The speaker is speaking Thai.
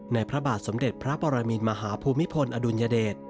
พระบาทสมเด็จพระปรมินมหาภูมิพลอดุลยเดช